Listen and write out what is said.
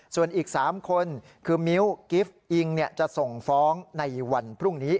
ส่วนอีก๓คนคือมิ้วกิฟต์อิงจะส่งฟ้องในวันพรุ่งนี้